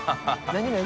何何？